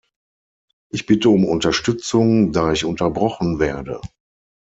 Ich bitte um Unterstützung, da ich unterbrochen werde.